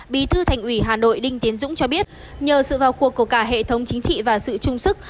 bí thư thành ủy hà nội đinh tiến dũng cho biết nhờ sự vào cuộc của cả hệ thống chính trị và sự trung sức